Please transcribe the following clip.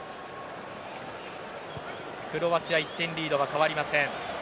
クロアチア、１点リードは変わりません。